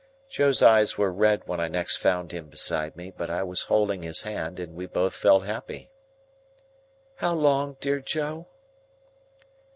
Joe's eyes were red when I next found him beside me; but I was holding his hand, and we both felt happy. "How long, dear Joe?"